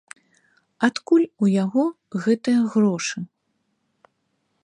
Адкуль у яго гэтыя грошы?